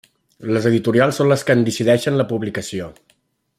Les editorials són les que en decideixen la publicació.